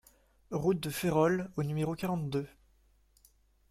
Route de Férolles au numéro quarante-deux